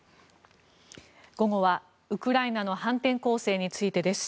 午後はウクライナの反転攻勢についてです。